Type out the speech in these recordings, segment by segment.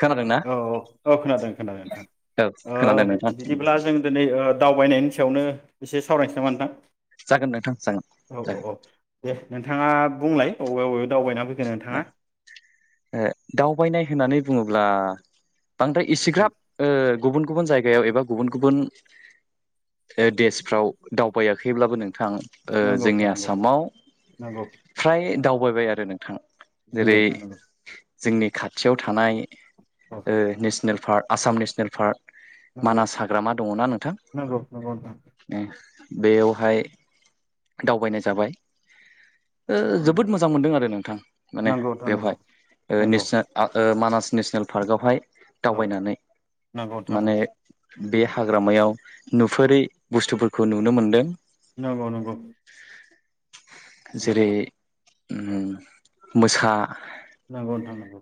खोनादों ना औ औ औ खोनादों खोनादों नोंथां औ ओ खोनादों नोंथां बिदिब्ला जों दिनै ओ दावबायनायनि खाथायावनो एसे सावरायनोसै नामा नोंथां? जागोन नोंथां जागोन औ औ औ जागोन दे नोंथाङा बुंलाय अबे बबे दावबायना फैखो नोंथाङा? बायनाय होननानै बुङोब्ला बांद्राय उम एसेग्राब ओ गुबुन गुबुन जायगायाव एबा गुबुन गुबुन देशफ्राव दावबायाखैब्लाबो नोंथां ओ नंगौ जोंनि आसामाव फ्राय दाव थगायबाय आरो नों । [inaudible] जेरै नोंथां नंगौ जोंनि खाथियाव थानाय ओ national park Assam national park. Manas हाग्रामा दङनाा नोंथां? नंगौ नंगौ नोंथां बेयावहाय दावबायनाय जाबाय। ओ ओ जोबोद मोजां मोनदों आरो नों माने नंगौ बेवहाय मान [inaudible] नेसनेल पार्क आवहाय औ दावबायनानै नंगौ माने बे हाग्रामायाव नुफेरै बुस्थु खौ नुनो मोनदों नंगौ नंगौ। [inaudible] नोंथां जेरै नंगौ उम मोसा नांगौ नोंथां नांगौ।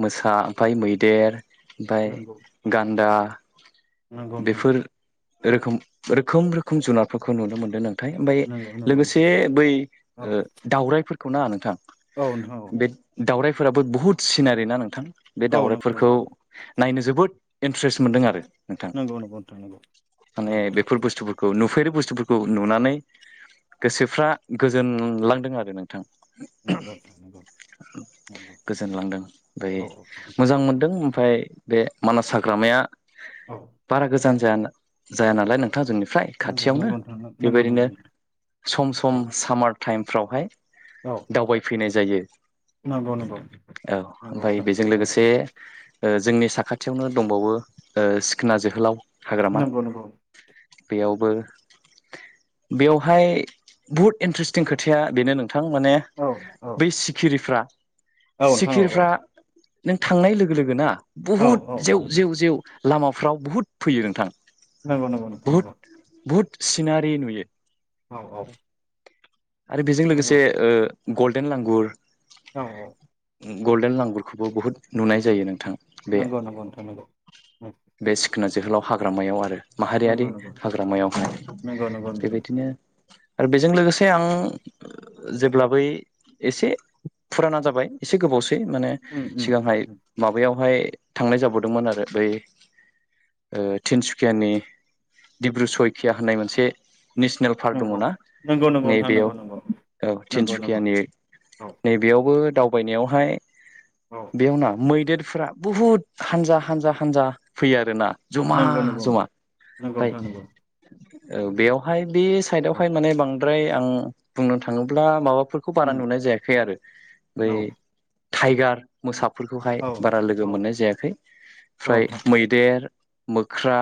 मोसा ओमफ्राय मैदेर ओमफ्राय गान्दा [unintelligible] नंगौ नोंथां। बेफोर रोखोम रोखोम रोखोम जुनारफोरखौ नुनो मोन्दों नोंं ओमफ्राय नंगौ नंगौ लोगोसे बै दाउरायाइफोर नाङा नोंथां बे दावराय फोराबो बहुत सिनारि ना नोंथां? बे औ दाउरायाइफोरखौ नायनो जोबोद इन्ट्रेस्ट मोनदों आरो नोंथां नंगौ नंगौ औ नंगौ औ नंगौ औ नंगौ नोंथां नंगौ माने नंगौ बेफोर बुस्थुफोरखौ खौ नुफेरो बुस्थुफोरखौ नुनानै गोसोफ्रा गोजोनलांदों आरो नोंथां। नंगौ नोंथां नंगौ नंगौ [inaudible] गोजोनलांदों बै औ मोजां मोनदों ओमफफ्राय बे मानास हाग्रामाया औ बारा गोजान जाया नालाय नों जोंनिफ्राय नंगौ खाथियावनो नंगौ नोंथां नंगौ नंगौ बेबायदिनो नोंथां, सम सम औ सामार टाइमफ्रावहाय औ दावबायफैनाय जायो। नंगौ नंगौ [inaudible] औ नंगौ ओमफ्राय नोंथां बेजों लोगोसे जोंनि साखाथियावनो दंबावो ओ सिखोना जोहोलाव हाग्रामा नंगौ नंगौ। बेयावबो बेवहाय बहुद इन्ट्रेस्टिं खोथाया बेनो नो नोंथां माने औ औ बै सिखिरिफ्रा औ नोंथां औ सिखिरिफ्रा नों थांनाय लोगो लोगना औ बहुद औ जेव जेव जेव लामा- फ्राव बुहुद फैयो नोंथां नंगौ नगौ नोंथां बुहुद बुहुद सिनारि नुयो औ औ आरो बेजों नंगौ लोगोसे ओ गल्डेन लांगुर औ औ गल्डेन लांगुरखौबो बुहुत नुनाय जायो नोंथां बे नंगौ नंगौ नोंथां नंगौ बे सिखोना जोहोलाव हाग्रामायाव आरो माहारियारि नंगौ नंगौ हाग्रामायावहाय नंगौ नंगौ नोंथां, बेबायदिनो आरो बेजों लोगोसे आं जेब्ला बै एसे फुराना जाबाय एसे गोबावसै बे माने उम उम सिगांहाय उम माबायाव बेहाय थांनाय जाबोदोंमोन आरो बै ओ तिनसुखियानि डिब्रु सयखिया होननाय मोनसे नेसनेल पार्क दङ नंगौ ना नंगौ नंगौ नोंथां नैबेयाव नंगौ नंगौ औ नंगौ नंगौ तिनसुकियानि औ नैबेयावबो दाउ फैनायाव हाय औ [unintelligible] बेयाव ना मैदेर फोर बुहुत हानजा हानजा हानजा फैयो आरोना जमा नंगौ नंगौ जमा नंगौ फाय नोंथां नंगौ [unintelligible] ओ बेयावहाय बे औ सायदावहाय माने बांद्राय आं बुंनो थाङोब्ला माबा फोरखौ बारा उम नुनाय जायाखै आरो बै औ टाइगार मोसा फोरखौहाय औ बारा लोगो औ मोननाय जायाखै औ ओमफ्राय नोंथां बेेर मोख्रा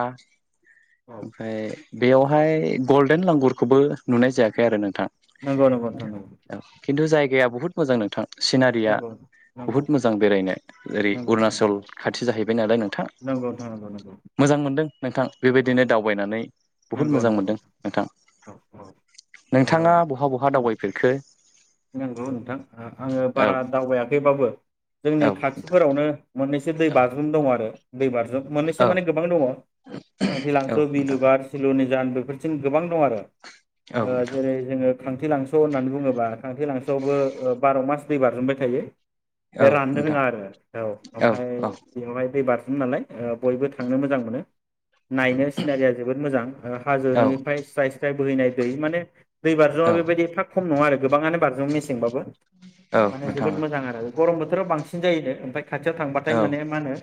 औ ओमफ्राय बेयावहाय गल्डेन लांगुरखौबो नुनाय जायाखै आरो नोंथां नंगौ नंगौ नोंथां गाया बुहुत मोजां नोंथां सिनारिया नंगौ नंगौ बुहुद मोजां बेरायनो ओेरै नंगौ अरुणचल नंगौ खाथि जाहैबाय नालाय नोंथां नोंथां नंगौ नोंथां मोजां मोनदों नोंथां बेबायदिनो दावबायनानै बुहुद नंगौ मोजां नंगौ औ नंगौ मोनदों नोंथां औ नोंथाङा बहा बहा ओ दावबायफेरखो नंगौ नोंथां आङो औ बारा दावबायाखैबाबो औ जोंनि नोंथां खाथिफोरावनो मोननैसो दै औ बाज्रुम दंङोआरो दैबाज्रुम मोननैसो औ माने गोबां दङ [unintelligible] नोंथां बिलुबाद सिलुनिजान बेफोरजों गोबां दं आरो औ नोंथां जेरै जोङो खांथि लांस' होननानै बुङोबा [unintelligible] फांथि लांसोआवबो बार' मास दै बारजुमबाय थायो औ बे राननो नोंथां रोङा आरो औ ओमफ्राय बेयावहाय दै बार [unintelligible] नालाय बयबो थांनो मोजां मोनो नायनो सिनारिया जोबोद मोजां ओ औ हाजोनिफ्राय स्राय स्राय बोहैनाय दै माने दै बाराज्रावा औ बेबायदि एफा खम नङा आरो गोबाङानो [unintelligible] बारजों मेसेंबाबो औ माने नोंथां जोबोद औ मोजां आरो गरम बोथोर [unintelligible] बांसिन जायोनो ओमफ्राय खाथियाव थांबाथाय औ माने मा होनो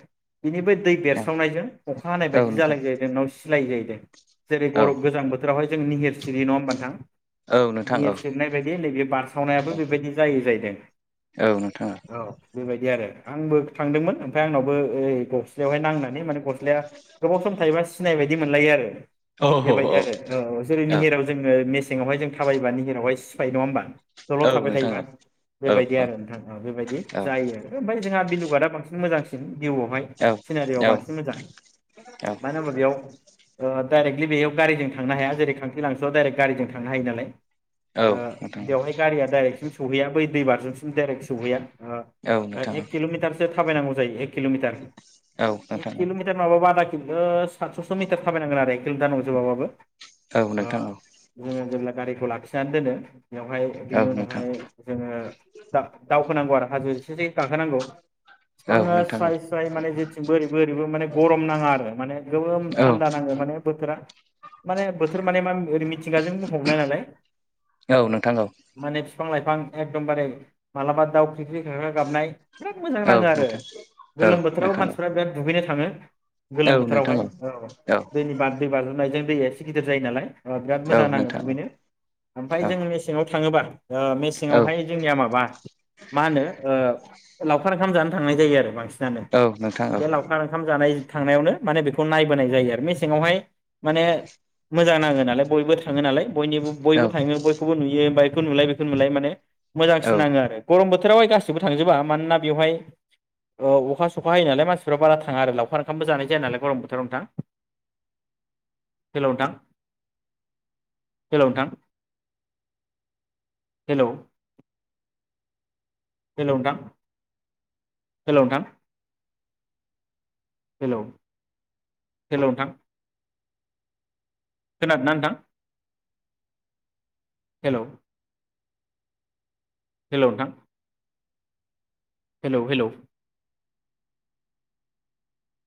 बेनिफ्राय दै बेरस्रावनायजों अखा हानाय औ नोंथां औ बायदि नोंथां जालाय जायो नोंनाव लाय जायोदों जेरै औ बरफ गोजां बोथोरावहाय निहेर सिरि नङा होनबा नोंथां औ नोंथां औ निेहिर सिबनाय बायदि नैब बारसि [unintelligible] बो बेबायदि जायो जाहैदों औ बेबायदि आरो आंबो थांदोंमोन ओमफ्राय आंनावबो ओय गस्लायावहाय नांनानै माने गस्लाया गोबाव सम थायोबा सिनाय [unintelligible] बिदि मोनलायो आरो औ बेबायदि आरो औ औ जेरै निहिराव जोङो [unintelligible] सिङावहाय जों थाबायोबा निहिरावहाय सिफायो नङा होनोमबा दल'द औ थाबाय नोंथां औ थायोबा औ औ बेबायदि औ आरो नोंथां बेबायदि औ जायो ओमफ्राय जोंहा बिलुुबादा बांसिन मोजांसिन भिउआवहाय सिनारियाव बांसिन मोजां औ मानो होनबा बेयाव ओ दायरेखलि बेयाव गारिजों थांनो हाया जेरै खांख्रिलांसोआव दाइरेख गारिजों थांनो हायो नालाय। औ नोंथां दैया दडाइेक्टसिम सहैया बै दैबाराजजोंसिम दाइरेक सहैया। ओ नोंथां औ एक किल'मिटारसो थाबायनांगौ जायो किल'मिटार नोंथां एक औ किल'मिटार माबाबा ओ सातस'सो मिटार थाबायनांगोन आरो एक किल'मिटार नंजोबाबाबो। औ हा नोंथां औ उम जेब्ला गारिखौ लाखिनानै दोनो बेवहाय औ बेनि नोंथां उनावहाय जोङो दाब दाउ होनांगौ आरो हाजो इसेथिं गाखोनांगौ। औ बिसेबां ओ नोंथां औ स्राय स्राय माने जेथिंबो ओरैबो ओरैबो माने गरम नाङा आरो माने गोमोम औ थान्दा नाङो माने बोथोरा। माने बोथोर माने मा ओरै मिथिंगाजों बुंफबनाय नालाय। औ नोंथां औ फिफां लाइफां एखदमबारे मालाबा दाउ ग्रिग्रि‌ गाग्रा गाबनाय बिराद मोजां औ नाङो आरो नोंथां औ गोलोम बोथोराव नोंथां औ मानसिफ्रा बिराद दुगै थाङो। औ गोलोम नोंथां बोथोरावहाय औ दैनि बार दै बाज्रुमनायजों। दैया इसे गिदार जायो नालाय अ बिराद औ मोजां नाङो नोंथां औ दुगैनो। ओमफ्राय औ जों मेसेङाव थाङोबा ओ मेसेंआवहाय जोंनिया माबा मा होनो ओ लावखार ओंखाम जानो थांनाय जायो आरो बांसिन जानो। औ नोंथां बे लावखार ओंखाम जानाय थांनायावनो माने बेखौ नायबोनाय जायो आरो मेसेङावहाय माने मोजां नाङो नालाय बयबो थाङो नालाय बयनिबो बयबो औ थाङो बयखौबो नुयो बैखौ नुलाय बेखौ नुलाय माने औ मोजांसिन नाङो आरो। गरम बोथोरावहाय गासिबो थांजोबा मानोना बेवहाय ओ अखा सखा होयो नालाय मानसिफ्रा बारा थाङा आरो लावखार ओंखामबो जानाय जाया नालाय गरम बोथोराव दा नोंथां। हेलौ नोंथां हेलौ नोंथां। हेलौ हेलौ नोंथां हेलौ नोंथां। हेलौ हेलौ नोंथां। खोनादोंना नोंथां? हेलौ। हेलौ नोंथां। Hello hello.